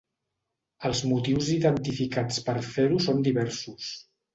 Els motius identificats per fer-ho són diversos.